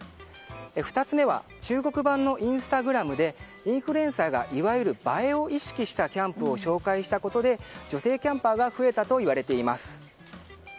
２つ目は中国版のインスタグラムでインフルエンサーがいわゆる映えを意識したキャンプを紹介したことで女性キャンパーが増えたといわれています。